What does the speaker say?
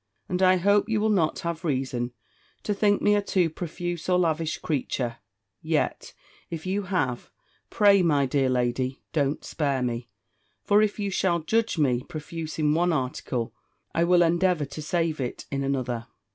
And I hope you will not have reason to think me a too profuse or lavish creature; yet, if you have, pray, my dear lady, don't spare me; for if you shall judge me profuse in one article, I will endeavour to save it in another.